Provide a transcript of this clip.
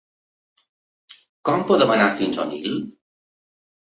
Com podem anar fins a Onil?